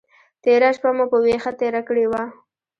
تېره شپه مو په ویښه تېره کړې وه.